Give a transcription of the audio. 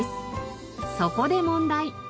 そこで問題。